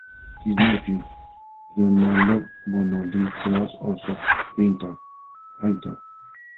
His nephew, Leonello Bononi was also a painter.